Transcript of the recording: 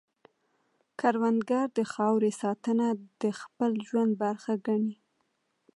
کروندګر د خاورې ساتنه د خپل ژوند برخه ګڼي